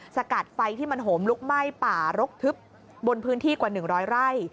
สกัดไฟที่มันโหมลุกไหม้ป่ารกทึบบนพื้นที่กว่า๑๐๐ไร่